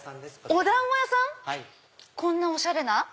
お団子屋さん⁉こんなおしゃれな？